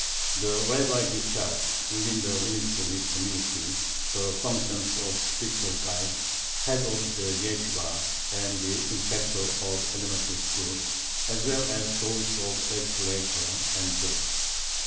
The rabbi discharged, within the limits of his community, the functions of spiritual guide, head of the yeshibah, and inspector of elementary schools, as well as those of legislator and judge.